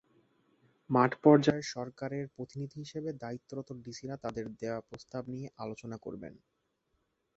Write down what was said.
মাঠপর্যায়ে সরকারের প্রতিনিধি হিসেবে দায়িত্বরত ডিসিরা তাঁদের দেওয়া প্রস্তাব নিয়ে আলোচনা করবেন।